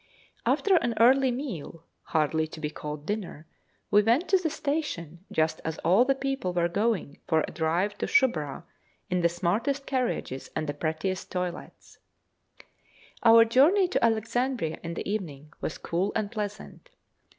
After an early meal (hardly to be called dinner) we went to the station, just as all the people were going for a drive to Shoubrah in the smartest carriages and the prettiest toilets. Our journey to Alexandria in the evening was cool and pleasant.